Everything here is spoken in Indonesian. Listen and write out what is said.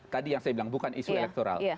tadi yang saya bilang bukan isu elektoral